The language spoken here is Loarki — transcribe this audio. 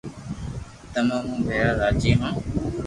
تمي مون ڀيرا راجي ھون